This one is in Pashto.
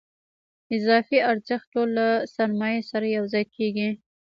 اضافي ارزښت ټول له سرمایې سره یوځای کېږي